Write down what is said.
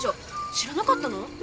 知らなかったの？